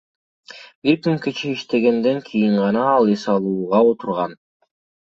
Бир күн кечке иштегенден кийин гана ал эс алууга отурган.